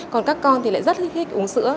còn các con thì lại rất thích uống sữa